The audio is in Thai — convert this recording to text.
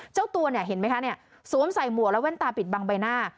เจ้าตัวเห็นไหมคะสวมใส่หมัวแล้วแว่นตาปิดบางใบหน้า